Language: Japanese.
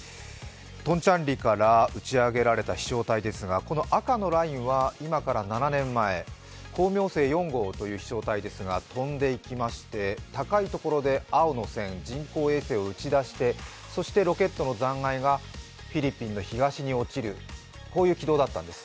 トンチャンリから打ち上げられた飛翔体ですが赤のラインが今から７年前光明星４号という飛翔体ですが、飛んで行きまして、高いところで青の線人工衛星を打ち出しましてそしてロケットの残骸がフィリピンの東に落ちる、こういう軌道だったんです。